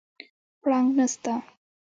پړانګ نسته